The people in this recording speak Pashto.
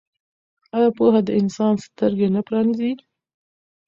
آیا پوهه د انسان سترګې نه پرانیزي؟